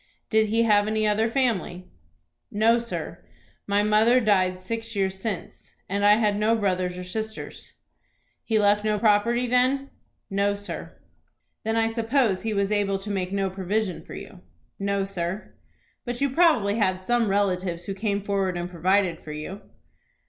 "Did he have any other family?" "No, sir; my mother died six years since, and I had no brothers or sisters." "He left no property then?" "No, sir." "Then I suppose he was able to make no provision for you?" "No, sir." "But you probably had some relatives who came forward and provided for you?"